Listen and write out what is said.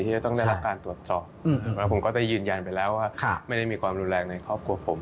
แล้วผมก็จะยืนยันไปแล้วว่าไม่ได้มีความรุนแรงในครอบครัวผม